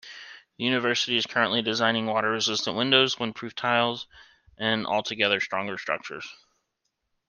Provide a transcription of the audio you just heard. The university is currently designing water-resistant windows, wind-proof tiles and altogether stronger structures.